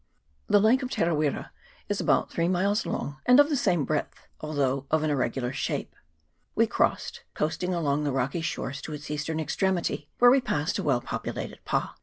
THE lake of Tera wera is about three miles long, and of the same breadth, although of an irregular shape. We crossed, coasting along the rocky shores to its eastern extremity, where we passed a well populated pa.